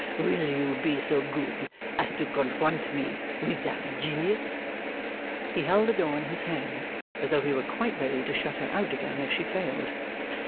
Will you be so good as to confront me with that genius?' He held the door in his hand, as though he were quite ready to shut her out again if she failed.